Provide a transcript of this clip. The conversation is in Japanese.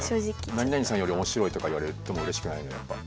何々さんより面白いとか言われてもうれしくないのよやっぱ。